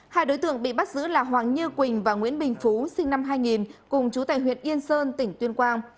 hai đối tượng bị bắt giữ là hoàng như quỳnh và nguyễn bình phú sinh năm hai nghìn cùng chú tại huyện yên sơn tỉnh tuyên quang